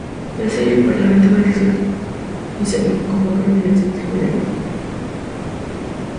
Tras ello, el parlamento fue disuelto y se convocaron elecciones generales.